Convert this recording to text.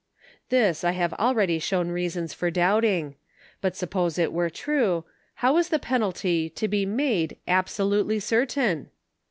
This I have already shown reasons for doubting ; but suppose it were true, how is the penalty to be made " absolutely certain